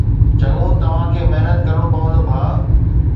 چڱو، توهان کي محنت ڪرڻو پوندو، ڀاء